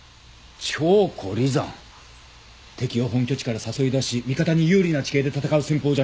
「調虎離山」敵を本拠地から誘い出し味方に有利な地形で戦う戦法じゃねえか。